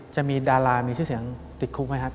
จะมีดารามีชื่อเสียงติดคุกไหมครับ